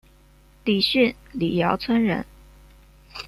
李迅李姚村人。